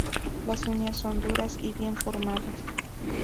Las uñas son duras y bien formadas.